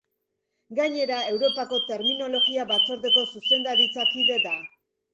Gainera, Europako Terminologia Batzordeko zuzendaritza kide da.